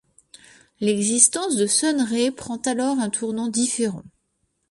L'existence de Sun Rae prend alors un tournant différent.